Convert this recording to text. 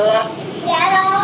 dạ thôi anh nha